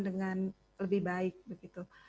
dengan lebih baik begitu